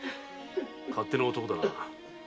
勝手な男だな。